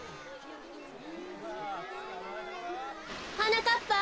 はなかっぱ。